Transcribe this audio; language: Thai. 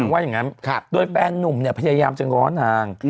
ว่าอย่างนั้นโดยแฟนนุ่มเนี่ยพยายามจะง้อนาง